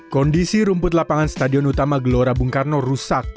kondisi rumput lapangan stadion utama gelora bung karno rusak